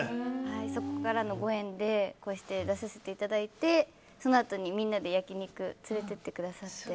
そこからのご縁でこうして出させていただいてそのあとにみんなで焼き肉連れて行ってくださって。